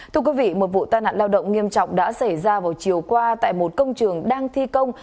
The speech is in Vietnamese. thưa quý vị một vụ tai nạn lao động nghiêm trọng đã xảy ra vào chiều qua tại một công trường đang thi công